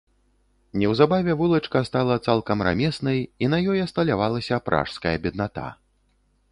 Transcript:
Неўзабаве вулачка стала цалкам рамеснай, і на ёй асталявалася пражская бедната.